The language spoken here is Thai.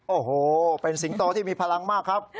โอ้โหเป็นสิงโตที่มีพลังมากครับ